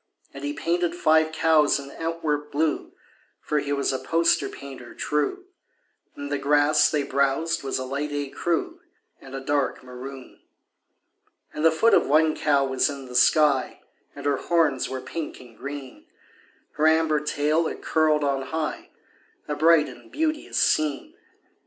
And he painted five cows in Antwerp blue (For he was a poster painter true), And the grass they browsed was a light écru And a dark maroon. And the foot of one cow was in the sky, And her horns were pink and green; Her amber tail it curled on high A bright and beauteous scene.